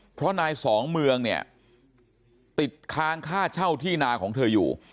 เพราะนายสองเมืองเนี่ยติดค้างค่าเช่าที่นาของเธออยู่